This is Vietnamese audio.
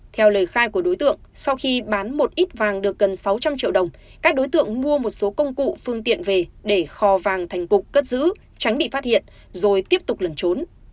theo lời khai của đối tượng sau khi bán một ít vàng được gần sáu trăm linh triệu đồng các đối tượng mua một số công cụ phương tiện về để kho vàng thành cục cất giữ tránh bị phát hiện rồi tiếp tục lẩn trốn